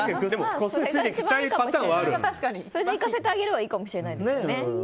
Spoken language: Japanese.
それで行かせてあげればいいかもしれないですね。